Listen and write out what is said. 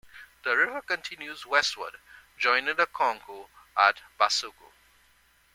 The river continues westward, joining the Congo at Basoko.